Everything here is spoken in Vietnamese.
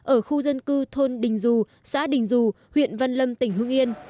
ở khu dân cư thôn đình dù xã đình dù huyện văn lâm tỉnh hương yên